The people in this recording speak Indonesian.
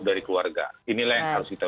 dari keluarga inilah yang harus kita